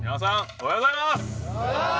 おはようございます。